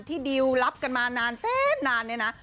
ที่ดีลลับกันมานานแซ่บนานเนี่ยนะ